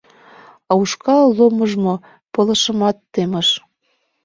А ушкал ломыжмо пылышымат темыш.